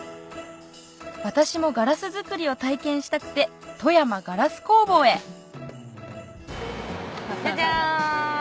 私もガラス作りを体験したくて富山ガラス工房へジャジャン。